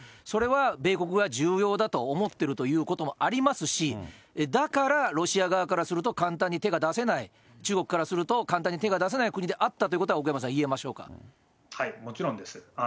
それは米国が重要だと思ってるということもありますし、だからロシア側からすると簡単に手が出せない、中国からすると簡単に手が出せない国であったということはもちろんです。